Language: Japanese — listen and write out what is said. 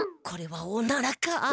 これはおならか？